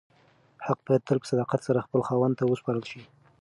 حق باید تل په صداقت سره خپل خاوند ته وسپارل شي.